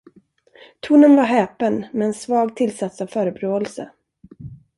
Tonen var häpen med en svag tillsats av förebråelse.